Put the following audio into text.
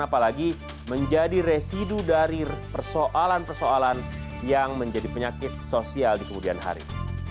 apalagi menjadi residu dari persoalan persoalan yang menjadi penyakit sosial di kemudian hari